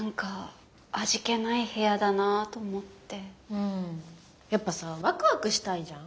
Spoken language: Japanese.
うんやっぱさワクワクしたいじゃん。